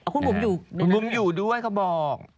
คุณบุ๋มอยู่ในนั้นไหมคุณบุ๋มอยู่ด้วยเขาบอก